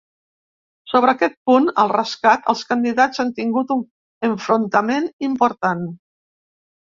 Sobre aquest punt, el rescat, els candidats han tingut un enfrontament important.